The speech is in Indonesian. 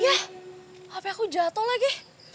ya hp aku jatuh lagi